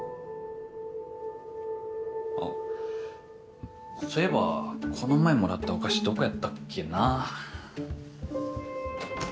あっそういえばこの前もらったお菓子どこやったっけな。